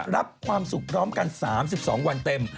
รับความสุขพร้อมกัน๓๒วันเต็ม